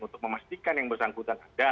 untuk memastikan yang bersangkutan ada